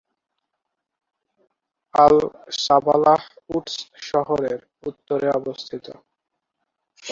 আল-সাবালহ Woods শহরের উত্তরে অবস্থিত।